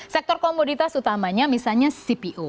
sektor komoditas utamanya misalnya cpo